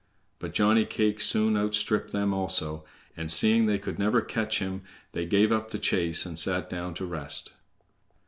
But Johnny cake soon outstripped them also, and seeing they could never catch him, they gave up the chase and sat down to rest.